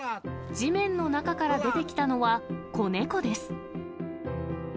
地面の中から出てきたのは、子猫です。